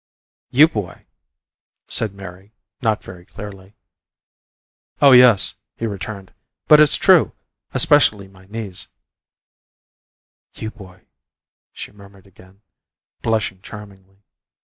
"You boy!" said Mary, not very clearly. "Oh yes," he returned. "But it's true especially my knees!" "You boy!" she murmured again, blushing charmingly.